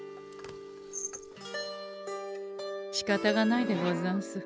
しかたがないでござんす。